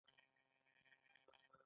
زه د څلورنۍ په ورځ روخصت یم